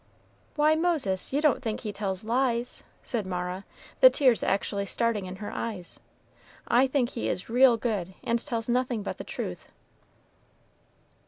"Why, Moses, you don't think he tells lies?" said Mara, the tears actually starting in her eyes. "I think he is real good, and tells nothing but the truth."